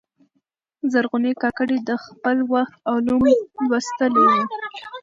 زرغونې کاکړي د خپل وخت علوم لوستلي ول.